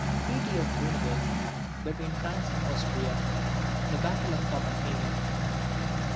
Treaty of Luneville between France and Austria. The battle of Copenhagen.